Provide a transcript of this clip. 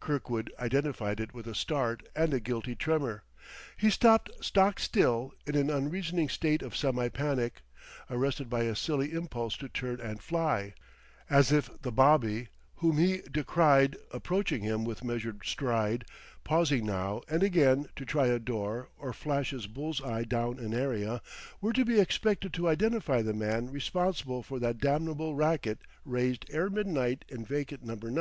Kirkwood identified it with a start and a guilty tremor. He stopped stock still, in an unreasoning state of semi panic, arrested by a silly impulse to turn and fly; as if the bobby, whom he descried approaching him with measured stride, pausing now and again to try a door or flash his bull's eye down an area, were to be expected to identify the man responsible for that damnable racket raised ere midnight in vacant Number 9!